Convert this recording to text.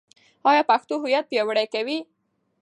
ایا پښتو هویت پیاوړی کوي؟